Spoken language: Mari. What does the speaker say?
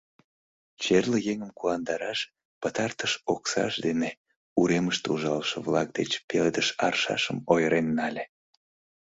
Черле еҥым куандараш пытартыш оксаж дене уремыште ужалыше-влак деч пеледыш аршашым ойырен нале.